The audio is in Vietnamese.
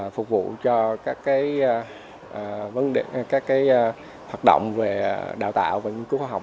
phục vụ cho các hoạt động về đào tạo và nghiên cứu khoa học